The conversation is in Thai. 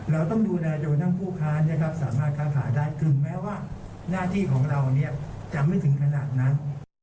เราต้องดูนายโจทย์ทั้งผู้ค้าสามารถค้าได้กึ่งแม้ว่าหน้าที่ของเราจะไม่ถึงขนาดนั้น